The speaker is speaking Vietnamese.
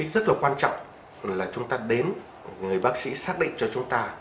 rất là quan trọng là chúng ta đến người bác sĩ xác định cho chúng ta